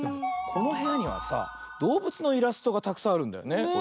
このへやにはさどうぶつのイラストがたくさんあるんだよね。